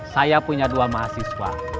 saya punya dua mahasiswa